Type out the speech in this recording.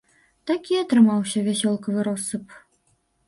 Такі атрымаўся вясёлкавы россып!